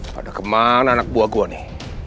pada kemana anak buah gua nih